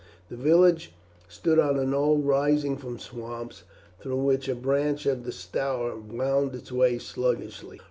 The village stood on a knoll rising from swamps, through which a branch of the Stour wound its way sluggishly.